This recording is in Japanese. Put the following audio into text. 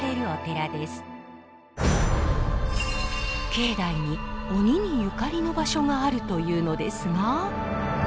境内に鬼にゆかりの場所があるというのですが。